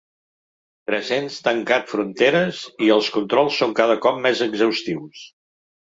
Tres-cents tancat fronteres i els controls són cada cop més exhaustius.